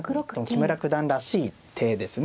木村九段らしい手ですね。